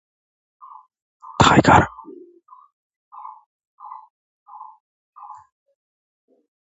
The rivalry is one of the most followed competitive rivalries in Asian football.